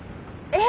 え